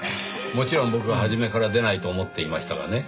もちろん僕は初めから出ないと思っていましたがね。